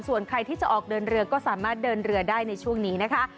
ส่วนใครที่จะออกเดินเรือก็สามารถเดินเรือได้ในช่วงนี้นะคะ